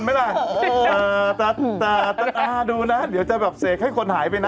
เออตั๊ะดูนะเดี๋ยวจะแบบเสกให้คนหายไปนะ